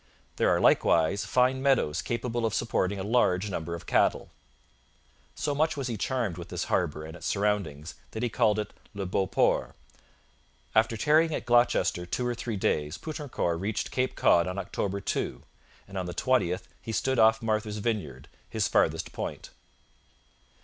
There are likewise fine meadows capable of supporting a large number of cattle.' So much was he charmed with this harbour and its surroundings that he called it Le Beauport. After tarrying at Gloucester two or three days Poutrincourt reached Cape Cod on October 2, and on the 20th he stood off Martha's Vineyard, his farthest point.